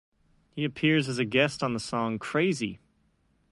He appears as a guest on the song Crazy.